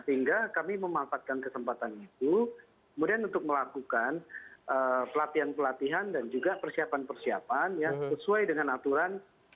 sehingga kami memanfaatkan kesempatan itu kemudian untuk melakukan pelatihan pelatihan dan juga persiapan persiapan ya sesuai dengan aturan